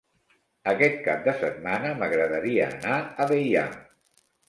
Aquest cap de setmana m'agradaria anar a Deià.